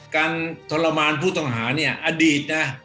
ทรมานผู้ต้องหาเนี่ยอดีตนะ